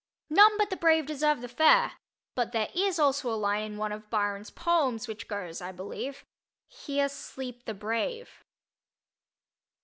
"None but the brave deserve the fair"—but there is also a line in one of Byron's poems which goes, I believe, "Here sleep the brave."